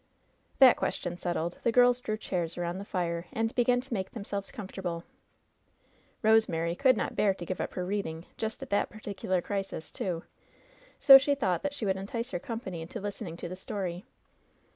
That question settled, the girls drew chairs around the fire, and began to make tibemselves comfortable. Ilo«»emary could not bear to give up her reading, just at that particular crisis, too ! So she thought she would entice her company into listening to the story.